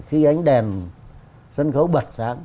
khi ánh đèn sân khấu bật sáng